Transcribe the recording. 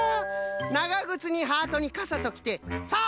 ながぐつにハートにかさときてさあ